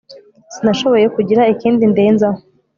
sinashoboye kugira ikindi ndenzaho .